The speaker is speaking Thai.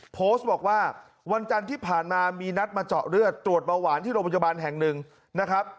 โพสต์บอกว่าวันจันทร์ที่ผ่านมามีนัดมาเจาะเลือดตรวจเบาหวานที่โรงพยาบาลแห่งหนึ่งนะครับ